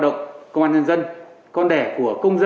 đối với những đối tượng